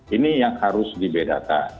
ini yang harus dibedakan